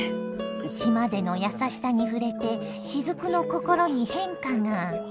島での優しさに触れて雫の心に変化が。